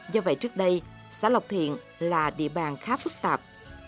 do vậy trước đây xã lộc thiện là địa bàn khá phức tạp